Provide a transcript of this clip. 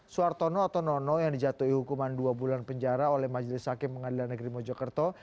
suartono atau nono yang dijatuhi hukuman dua bulan penjara oleh majelis hakim pengadilan negeri mojokerto